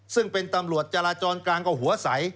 ซึ่งเป็นตำรวจจราจรกลางก็หัวใส